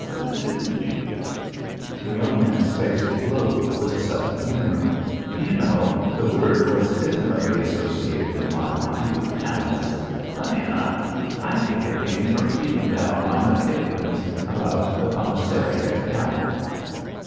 "Didn't you?" The young man's face glowed with sudden humour. "Do you know, the word was intimately associated in my mind with camels. Funny, eh? I think it came from reading that rhyme of Kipling's about the commissariat camel."